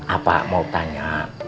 apa mau tanya